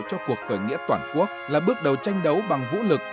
cho cuộc khởi nghĩa toàn quốc là bước đầu tranh đấu bằng vũ lực